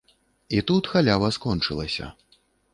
І тут халява скончылася.